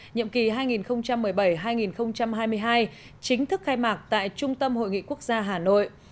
nhiệm kỳ hai nghìn một mươi bảy hai nghìn hai mươi hai chính thức khai mạc tại trung tâm hội nghị quốc gia hà nội